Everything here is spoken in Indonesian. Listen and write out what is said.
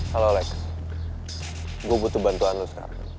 halo les gue butuh bantuan lo sekarang